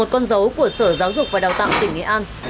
một con dấu của sở giáo dục và đào tạo tỉnh nghệ an